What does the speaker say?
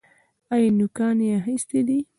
ایا نوکان یې اخیستي دي؟